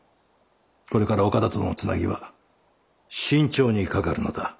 これから岡田とのつなぎは慎重にかかるのだ。